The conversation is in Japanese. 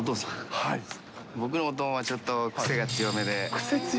僕のおとんはちょっと癖が強めで。